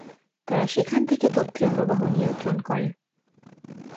তারা সেখান থেকে তথ্যের প্রবাহ নিয়ন্ত্রণ করে।